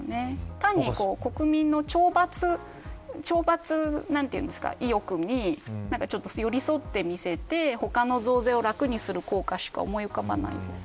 単に国民の懲罰なんていうんですか懲罰意欲に寄り添ってみせて他の増税を楽にする効果しか思い浮かばないです。